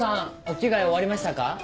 お着替え終わりましたか？